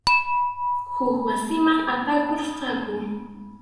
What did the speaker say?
Huk wasiman aparqusqaku.